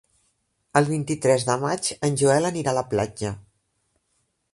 El vint-i-tres de maig en Joel anirà a la platja.